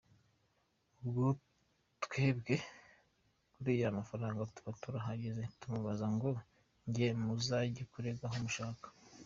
Ubwo twebe kuri y’amafaranga tuba turahagaze, twamubaze ngo njye muzajye kurega aho mushaka.